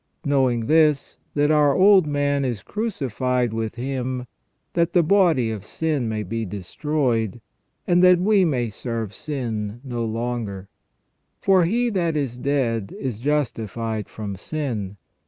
Knowing this, that our old man is crucified with Him, that the body of sin may be destroyed, and that we may serve sin no longer. For he that is dead is justified from sin.